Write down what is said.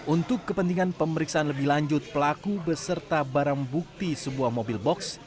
untuk kepentingan pemeriksaan lebih lanjut pelaku beserta barang bukti sebuah mobil box